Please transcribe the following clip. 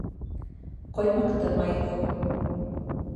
Ҡоймаҡты майлау